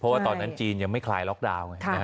เพราะว่าตอนนั้นจีนยังไม่คลายล็อกดาวน์ไง